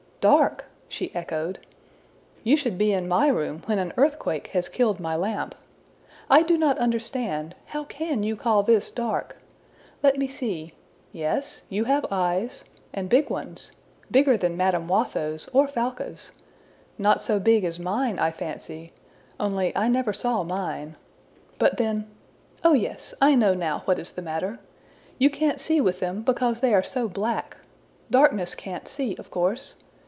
``Dark!'' she echoed. ``You should be in my room when an earthquake has killed my lamp. I do not understand. How can you call this dark? Let me see: yes, you have eyes, and big ones, bigger than Madame Watho's or Falca's not so big as mine, I fancy only I never saw mine. But then oh, yes! I know now what is the matter! You can't see with them, because they are so black. Darkness can't see, of course.